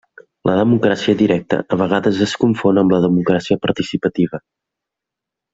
La democràcia directa a vegades es confon amb la democràcia participativa.